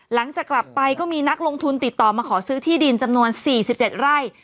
หลังจากกลับไปก็มีนักลงทุนติดต่อมาขอซื้อที่ดินจำนวน๔๗ไร่